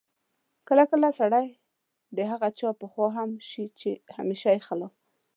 کله کله سړی د هغه چا په خوا هم شي چې همېشه یې خلاف